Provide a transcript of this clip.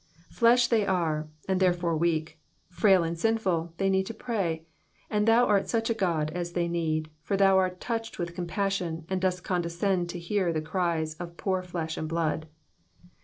Flesh they are, and therefore weak ; frail and sinful, they need to pray ; »nd thou art such a God as they need, for thou art touched with compassion, and dost condescend to hear the cries of poor flesh and blood.